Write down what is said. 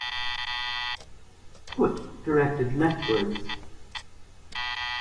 Foot directed leftwards.